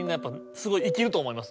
すごい生きると思います。